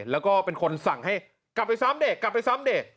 และก็เป็นคนสั่งให้กลับไปซ้ำดิ